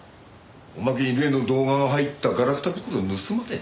おまけに例の動画が入ったガラクタ袋を盗まれた？